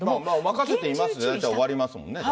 任せていますで大体終わりますもんね。